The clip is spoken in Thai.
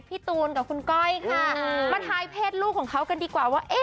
พี่ตูนกับคุณก้อยค่ะมาทายเพศลูกของเขากันดีกว่าว่า